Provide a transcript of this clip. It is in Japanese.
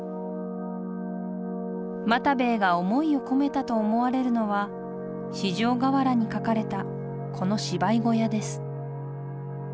又兵衛が想いを込めたと思われるのは四条河原に描かれたこの芝居小屋です。